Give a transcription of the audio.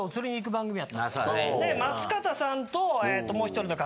松方さんともう１人の方。